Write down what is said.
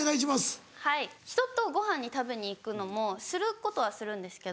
ひととごはんに食べに行くのもすることはするんですけど。